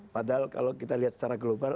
padahal kalau kita lihat secara global